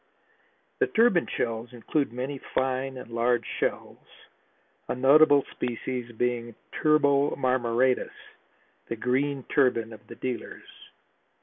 The Turban shells include many fine and large shells, a notable species being Turbo marmoratus, the "green turban" of the dealers.